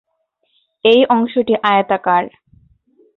এই অংশটি আয়তাকার।